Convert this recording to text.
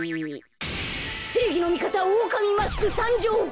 せいぎのみかたオオカミマスクさんじょう。